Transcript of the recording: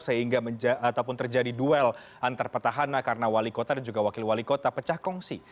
sehingga terjadi duel antarpertahana karena wali kota dan juga wakil wali kota pecah kongsi